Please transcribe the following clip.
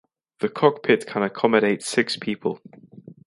The cockpit can accommodate six people.